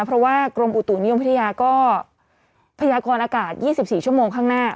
เพราะว่ากรมอุตุนิยมวิทยาก็พยากรอากาศ๒๔ชั่วโมงข้างหน้า